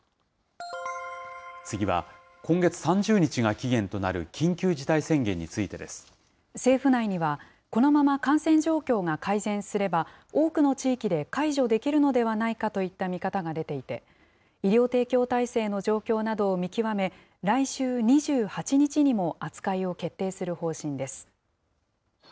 次は、今月３０日が期限となる緊政府内には、このまま感染状況が改善すれば、多くの地域で解除できるのではないかといった見方が出ていて、医療提供体制の状況などを見極め、来週２８日にも扱いを決定する方針です。